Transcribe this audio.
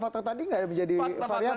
fakta fakta tadi gak menjadi variable buat anda